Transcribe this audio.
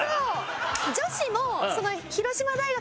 女子も。